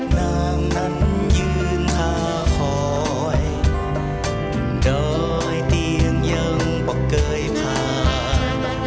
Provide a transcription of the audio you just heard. นางนั้นยืนพาคอยดอยเตียงยังบอกเคยผ่าน